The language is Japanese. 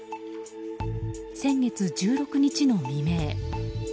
先月１６日の未明。